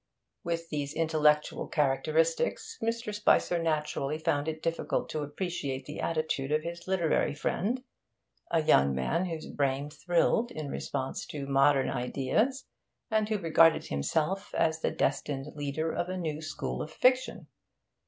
With these intellectual characteristics, Mr. Spicer naturally found it difficult to appreciate the attitude of his literary friend, a young man whose brain thrilled in response to modern ideas, and who regarded himself as the destined leader of a new school of fiction.